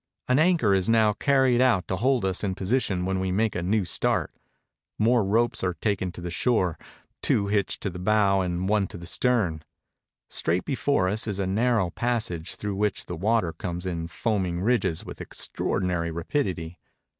An anchor is now carried out to hold us in position when we make a new start; more ropes are taken to the shore, two hitched to the bow and one to the stern. Straight before us is a narrow passage through which the water comes in foaming ridges with extraordinary rapidity.